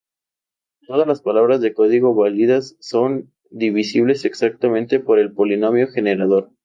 Todas las palabras de código válidas son divisibles exactamente por el polinomio generador.